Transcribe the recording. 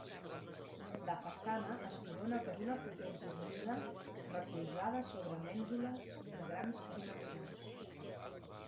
La façana es corona per una potent cornisa recolzada sobre mènsules de grans dimensions.